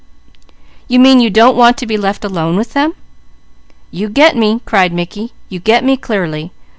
"You mean you don't want to be left alone with them?" "You get me!" cried Mickey. "You get me clearly.